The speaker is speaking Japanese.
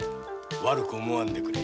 悪く思わんでくれ。